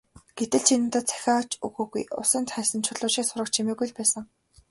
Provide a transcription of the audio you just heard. Гэтэл чи надад захиа ч өгөөгүй, усанд хаясан чулуу шиг сураг чимээгүй л байсан.